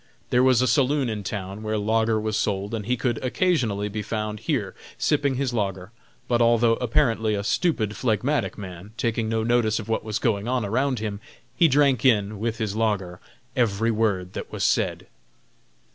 There was a saloon in town where lager was sold and he could, occasionally, be found here sipping his lager; but although apparently a stupid, phlegmatic man, taking no notice of what was going on around him, he drank in, with his lager, every word that was said.